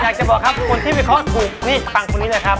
อยากจะบอกครับคนที่เป็นคนถูกนี่ตังค์คนนี้เลยครับ